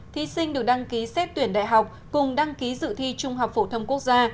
thí sinh được đăng ký xét tuyển đại học cùng đăng ký dự thi trung học phổ thông quốc gia